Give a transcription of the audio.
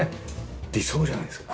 理想じゃないですか。